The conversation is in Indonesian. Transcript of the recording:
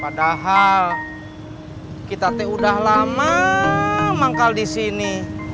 padahal kita teh udah lama manggal disini